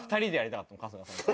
春日さんと。